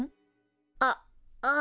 あっああ。